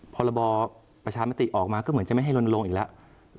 พรบประชามติออกมาก็เหมือนจะไม่ให้ลนลงอีกแล้ว